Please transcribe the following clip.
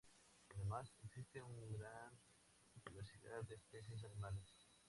Además, existe una gran diversidad de especies animales.